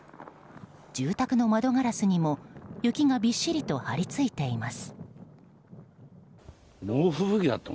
住宅の窓ガラスにも雪がびっしりと張り付いています。